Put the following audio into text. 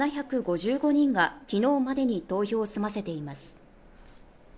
２万７５５人が昨日までに投票を済ませています。